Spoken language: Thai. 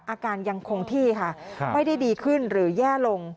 อาการยังคงที่ค่ะไม่ได้ดีขึ้นหรือแย่ลง